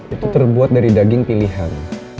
itu terbuat dari daging pilihan